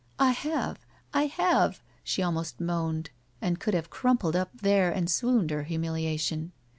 "I have. I have," she almost moaned, and could have crumpled up there and swooned her humiliation.